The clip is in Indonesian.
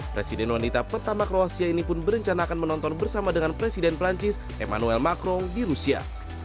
presiden wanita pertama kroasia ini pun berencana akan menonton bersama dengan presiden perancis emmanuel macron di rusia